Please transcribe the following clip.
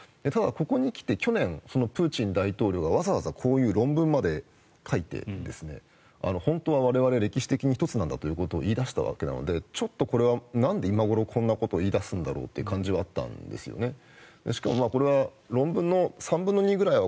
ただ、ここに来て去年プーチン大統領がわざわざこういう論文まで書いて本当は我々歴史的に１つなんだと言い出したわけなのでちょっとこれはなんで今頃こんなことを言い出すんだろうという感じはあったんですよね。